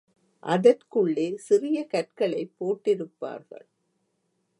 அதற் குள்ளே சிறிய கற்களைப் போட்டிருப்பார்கள்.